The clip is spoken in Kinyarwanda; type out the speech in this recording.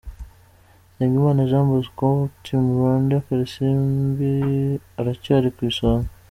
Nsengimana Jean Bosco wa Team Rwanda Karisimbi aracyari ku isonga.